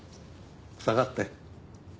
下がって。